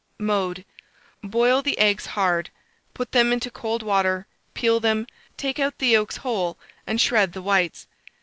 Mode. Boil the eggs hard; put them into cold water, peel them, take out the yolks whole, and shred the whites.